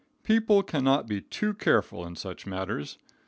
People cannot be too careful in such matters.